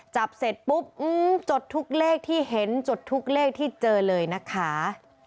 จับเสร็จปุ๊บจดทุกเลขที่เห็นจดทุกเลขที่เจอเลยนะคะ